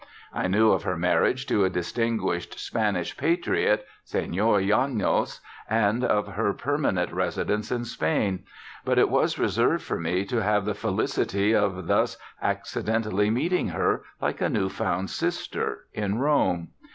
I knew of her marriage to a distinguished Spanish patriot, Se├▒or Llanos, and of her permanent residence in Spain; but it was reserved for me to have the felicity of thus accidentally meeting her, like a new found sister, in Rome.